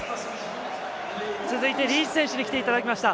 続いてリーチ選手に来ていただきました。